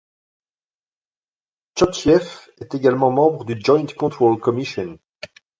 Tchotchiev est également membre du Joint Control Commission.